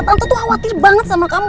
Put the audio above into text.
tante tuh khawatir banget sama kamu